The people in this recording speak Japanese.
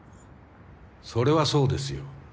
それはそうですよ。